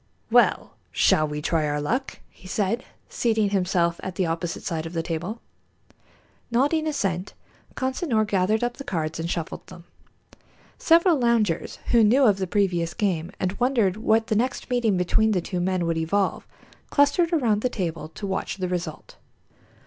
"Well, shall we try our luck?" he said, seating himself at the opposite side of the table. Nodding assent, Consinor gathered up the cards and shuffled them. Several loungers who knew of the previous game and wondered what the next meeting between the two men would evolve, clustered around the table to watch the result.